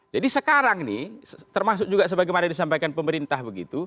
jadi sekarang termasuk juga sebagaimana disampaikan pemerintah